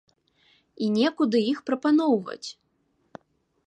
І некуды іх прапаноўваць.